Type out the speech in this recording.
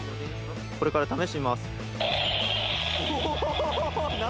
これから試してみます。